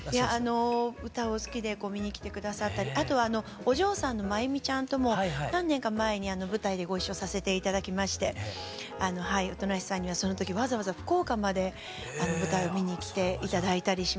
歌を好きで見に来て下さったりあとお嬢さんの麻友美ちゃんとも何年か前に舞台でご一緒させて頂きまして音無さんにはその時わざわざ福岡まで舞台を見に来て頂いたりしました。